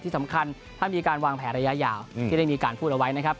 ที่สำคัญถ้ามีการวางแผนระยะยาวที่ได้มีการพูดเอาไว้นะครับ